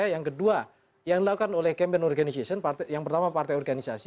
yang dilakukan oleh campaign organization yang pertama partai organisasi